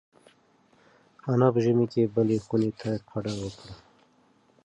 انا په ژمي کې بلې خونې ته کډه وکړه.